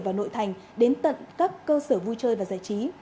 và nội thành đến tận các cơ sở vui chơi và giải trí